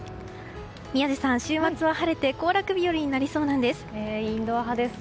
宮司さん、週末は晴れて行楽日和になりそうなんです。